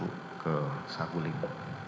saya kemudian membawa istri saya ke saguling